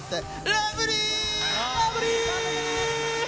ラブリー！